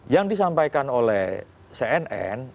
yang disampaikan oleh cnn